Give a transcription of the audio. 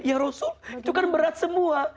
ya rasul itu kan berat semua